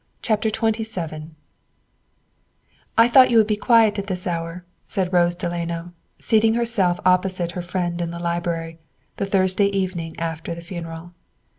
Chapter XXVII "I thought you would be quiet at this hour," said Rose Delano, seating herself opposite her friend in the library, the Thursday evening after the funeral.